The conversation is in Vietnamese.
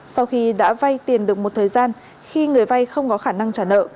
sau khi đã vay tiền được một thời gian khi người vay không có khả năng trả nợ